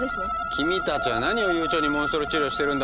君たちはなにを悠長にモンストロ治療してるんだ！